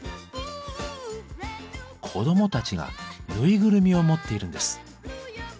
子どもたちがぬいぐるみを持っているんです。